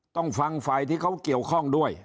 ต้องฟังฝ่ายที่เขาเกี่ยวข้องด้วย